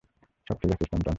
সব ঠিক আছে, স্ট্যান্টন।